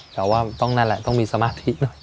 แต่ต้องนั่นแหละต้องมีสมาธิ